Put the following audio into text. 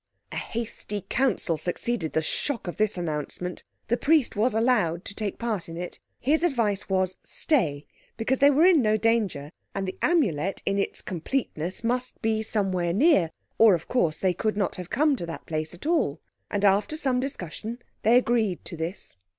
A hasty council succeeded the shock of this announcement. The Priest was allowed to take part in it. His advice was "stay", because they were in no danger, and the Amulet in its completeness must be somewhere near, or, of course, they could not have come to that place at all. And after some discussion they agreed to this.